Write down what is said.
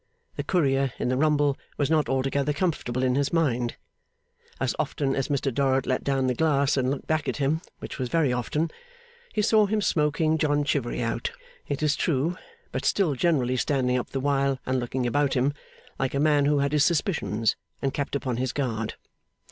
The Courier in the rumble was not altogether comfortable in his mind. As often as Mr Dorrit let down the glass and looked back at him (which was very often), he saw him smoking John Chivery out, it is true, but still generally standing up the while and looking about him, like a man who had his suspicions, and kept upon his guard.